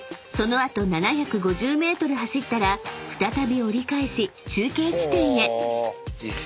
その後７５０ｍ走ったら再び折り返し中継地点へ］